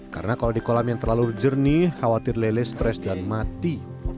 karena kalau di kolam yang terlalu jernih khawatir lele stres dan mati